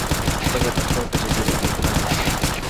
ته به د خوب په جزيره كي گراني ـ